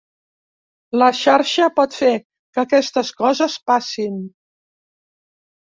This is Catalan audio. La xarxa pot fer que aquestes coses passin.